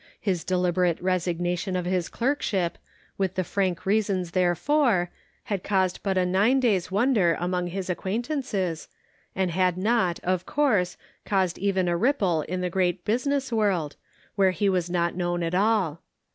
His deliberate resignation of his clerkship, with the frank reasons therefor, had caused but a nine days' wonder among his acquaintances, and had not, of course, caused even a ripple in the great business world, where he was not known at all.